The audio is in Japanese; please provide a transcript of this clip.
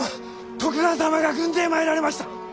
徳川様が軍勢参られました！